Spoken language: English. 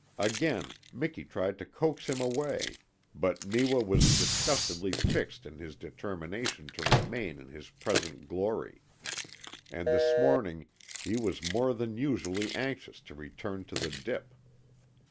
Again Miki tried to coax him away but Neewa was disgustingly fixed in his determination to remain in his present glory. And this morning he was more than usually anxious to return to the dip.